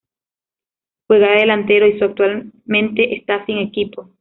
Juega de delantero y su actualmente está sin equipo.